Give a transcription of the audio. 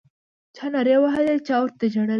چا نارې وهلې چا ورته ژړله